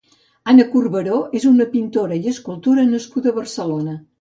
Ana Corberó és una pintora i escultora nascuda a Barcelona.